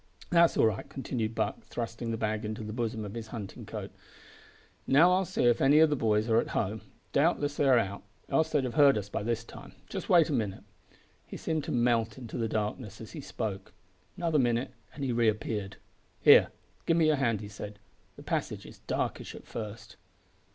"That's all right," continued Buck, thrusting the bag into the bosom of his hunting coat; "now I'll see if any o' the boys are at home. Doubtless they are out else they'd have heard us by this time. Just wait a minute." He seemed to melt into the darkness as he spoke. Another minute and he re appeared. "Here, give me your hand," he said; "the passage is darkish at first."